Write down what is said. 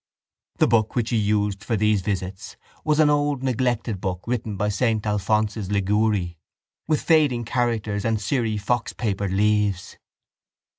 The book which he used for these visits was an old neglected book written by saint Alphonsus Liguori, with fading characters and sere foxpapered leaves.